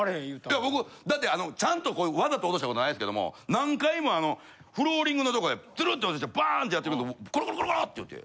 いや僕だってあのちゃんとこうワザと落とした事ないですけども何回もあのフローリングのとこでズルっと落としてバーンってやってるけどコロコロコロっていうて。